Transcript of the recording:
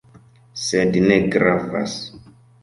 Sed ne gravas.